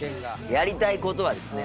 やりたいことはですね